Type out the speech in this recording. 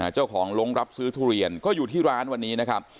เจ้าของลงรับซื้อทุเรียนก็อยู่ที่ร้านวันนี้นะครับ